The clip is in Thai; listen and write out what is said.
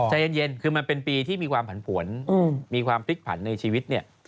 ใจเย็นคือมันเป็นปีที่มีความผันผวนมีความพลิกผันในชีวิตเนี่ย